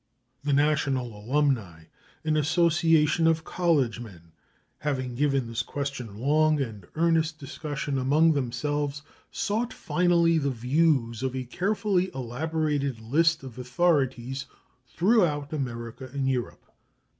THE NATIONAL ALUMNI, an association of college men, having given this question long and earnest discussion among themselves, sought finally the views of a carefully elaborated list of authorities throughout America and Europe.